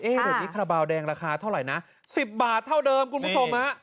เดี๋ยวนี้คาราบาลแดงราคาเท่าไหร่นะ๑๐บาทเท่าเดิมคุณผู้ชมฮะ